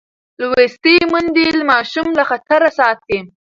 لوستې میندې ماشوم له خطره ساتي.